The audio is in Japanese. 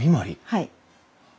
はい。